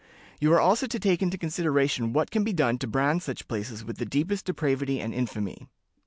You are also to take into consideration what can be done to brand such places with the deepest depravity and infamy."